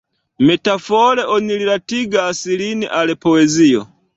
Metafore oni rilatigas lin al poezio.